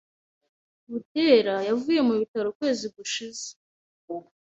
Butera yavuye mu bitaro ukwezi gushize.